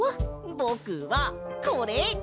ぼくはこれ！